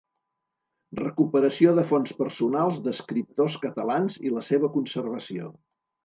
Recuperació de fons personals d'escriptors catalans i la seva conservació.